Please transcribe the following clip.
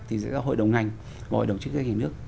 thì sẽ cho hội đồng ngành và hội đồng chức trách nhiệm nước